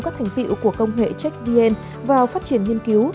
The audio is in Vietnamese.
phát triển các thành tiệu của công nghệ checkvn vào phát triển nghiên cứu